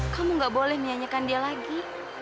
kamu gak boleh menyanyikan dia lagi